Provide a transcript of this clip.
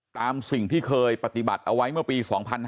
ตามสิ่งที่เคยปฏิบัติเอาไว้เมื่อปี๒๕๕๙